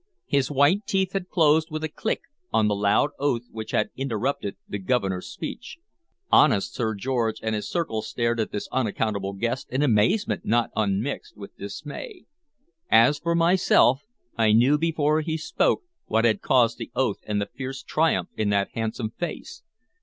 His white teeth had closed with a click on the loud oath which had interrupted the Governor's speech. Honest Sir George and his circle stared at this unaccountable guest in amazement not unmixed with dismay. As for myself, I knew before he spoke what had caused the oath and the fierce triumph in that handsome face.